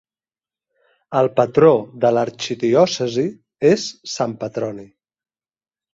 El patró de l'arxidiòcesi és sant Petroni.